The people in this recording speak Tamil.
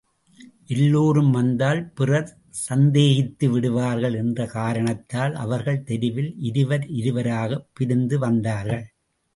எல்லோரும் வந்தால் பிறர் சந்தேகித்து விடுவார்கள் என்ற காரணத்தால் அவர்கள் தெருவில் இருவர் இருவராகப் பிரிந்து வந்தார்கள்.